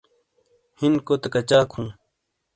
ہِینکوتے کچاک ہوں ؟